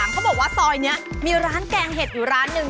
เขาบอกว่าซอยนี้มีร้านแกงเห็ดอยู่ร้านหนึ่ง